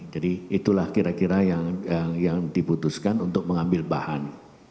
jadi itulah kira kira yang dibutuhkan untuk mengambil bahan